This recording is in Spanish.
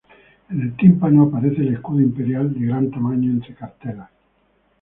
En el tímpano aparece el escudo imperial de gran tamaño entre cartelas.